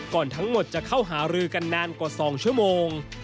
ทั้งหมดจะเข้าหารือกันนานกว่า๒ชั่วโมง